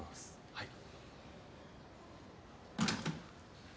はい。